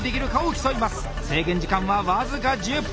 競技時間は僅か１０分。